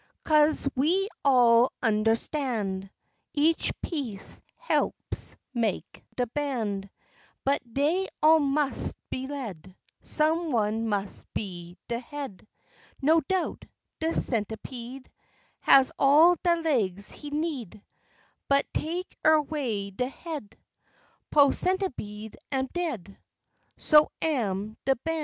Cose, we all undahstan' Each piece he'ps maik de ban', But dey all mus' be led, Sum one mus' be de head: No doubt, de centipede Has all de laigs he need, But take erway de head, Po' centipede am dead; So am de ban'.